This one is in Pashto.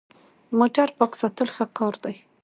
موټر پاک ساتل ښه کار دی.